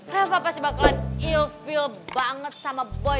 reva pasti bakalan ill feel banget sama boy